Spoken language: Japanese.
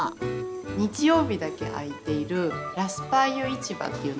日曜日だけ開いているラスパイユ市場っていうのはいかがですか？